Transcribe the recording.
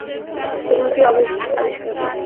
আসলে, আমার উদ্ভাবন দিয়েই আমি তোমাকে আবিষ্কার করি।